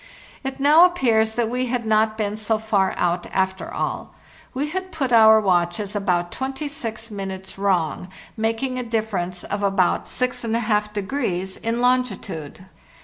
It now appears that we had not been so far out, after all. We had put our watches about 26 minutes wrong, making a_ difference of about 64° in longitude.